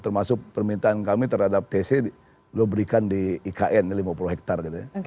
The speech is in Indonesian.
termasuk permintaan kami terhadap tc beliau berikan di ikn lima puluh hektar